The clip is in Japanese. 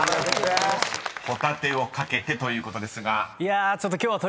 ［ホタテを懸けてということですが］